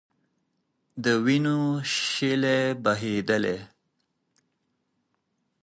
د وینو شېلې بهېدلې.